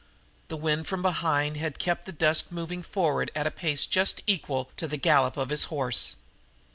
The wind from behind had kept the dust moving forward at a pace just equal to the gallop of his horse.